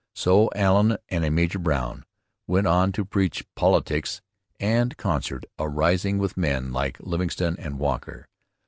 So Allen and a Major Brown went on to 'preach politicks' and concert a rising with men like Livingston and Walker.